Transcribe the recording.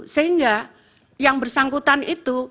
sehingga yang bersangkutan itu